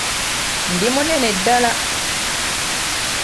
Ndi munene ddala .